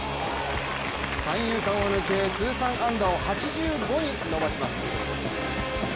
三遊間を抜け、通算安打を８５に伸ばします。